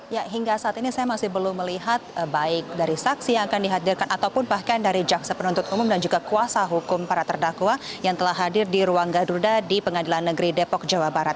ya hingga saat ini saya masih belum melihat baik dari saksi yang akan dihadirkan ataupun bahkan dari jaksa penuntut umum dan juga kuasa hukum para terdakwa yang telah hadir di ruang gaduda di pengadilan negeri depok jawa barat